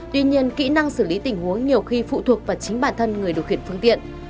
tuy nhiên kỹ năng xử lý tình huống nhiều khi phụ thuộc vào chính bản thân người điều khiển phương tiện